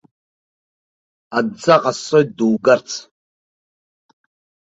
Адҵа ҟасҵоит дугарц!